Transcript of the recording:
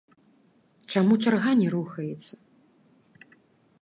Чаму чарга не рухаецца?